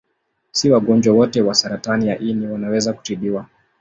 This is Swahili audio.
Si wagonjwa wote wa saratani ya ini wanaweza kutibiwa.